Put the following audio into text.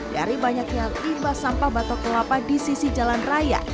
dari banyak yang imbas sampah batok kelapa di sisi jalan raya